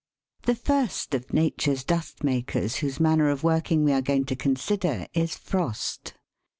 THE first of Nature's dust makers whose manner of working we are going to consider is frost.